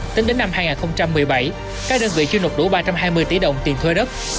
tính đến năm hai nghìn một mươi bảy các đơn vị chưa nộp đủ ba trăm hai mươi tỷ đồng tiền thuê đất